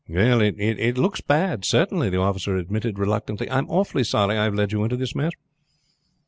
"It looks bad, certainly," the officer admitted reluctantly. "I am awfully sorry I have led you into this mess."